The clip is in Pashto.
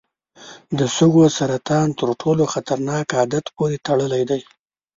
د سږو سرطان تر ټولو خطرناک عادت پورې تړلی دی.